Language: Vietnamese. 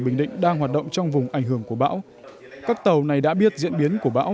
bình định đang hoạt động trong vùng ảnh hưởng của bão các tàu này đã biết diễn biến của bão